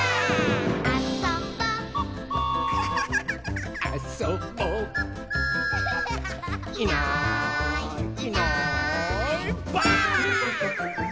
「あそぼ」「あそぼ」「いないいないばあっ！」